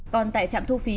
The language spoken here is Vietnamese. còn tại trạm thu phí